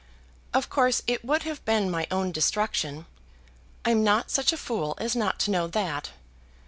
Of course it would have been my own destruction. I'm not such a fool as not to know that.